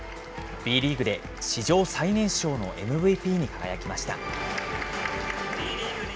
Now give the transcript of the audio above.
Ｂリーグで史上最年少のＭＶＰに輝きました。